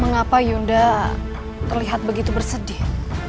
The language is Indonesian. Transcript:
mengapa yunda terlihat begitu bersedih